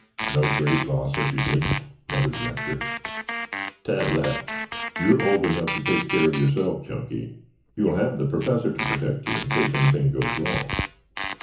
"No great loss if you didn't," muttered Rector. Tad laughed. "You are old enough to take care of yourself, Chunky. You will have the Professor to protect you in case anything goes wrong."